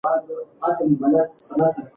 واکسینونه هم په ورته ډول کار کوي.